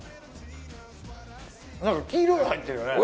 何か黄色いの入ってるよね